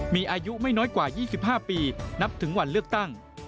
มีอายุไม่น้อยกว่า๒๕ปีนับถึงวันเลือกตั้ง